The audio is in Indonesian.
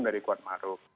dari kuat makruf